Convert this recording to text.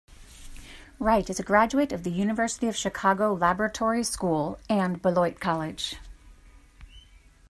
Wright is a graduate of the University of Chicago Laboratory School and Beloit College.